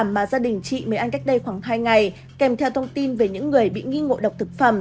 mà gia đình chị mới anh cách đây khoảng hai ngày kèm theo thông tin về những người bị nghi ngộ độc thực phẩm